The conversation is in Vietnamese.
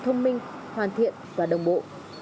thông minh hoàn thiện và đồng bộ